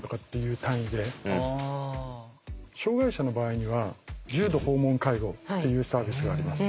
障害者の場合には重度訪問介護っていうサービスがあります。